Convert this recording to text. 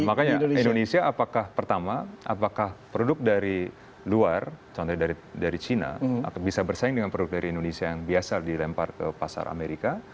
makanya indonesia apakah pertama apakah produk dari luar contohnya dari cina bisa bersaing dengan produk dari indonesia yang biasa dilempar ke pasar amerika